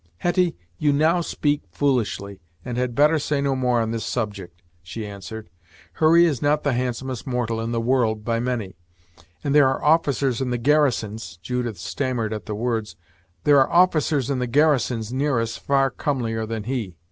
"Hetty, you now speak foolishly, and had better say no more on this subject," she answered. "Hurry is not the handsomest mortal in the world, by many; and there are officers in the garrisons " Judith stammered at the words "there are officers in the garrisons, near us, far comelier than he.